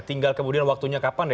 tinggal kemudian waktunya kapan